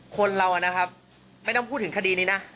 คนเรานะครับไม่ต้องพูดถึงคดีนี้นะ